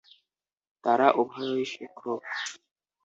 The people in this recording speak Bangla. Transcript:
তারা উভয়ই শিক্ষক।